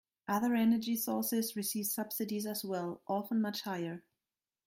Other energy sources receive subsidies as well, often much higher.